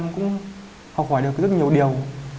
em cũng học hỏi được rất nhiều điều